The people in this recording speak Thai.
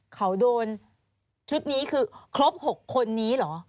เขาโดนชุดนี้คือครบ๖คนนี้เหรอ